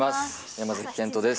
山崎賢人です。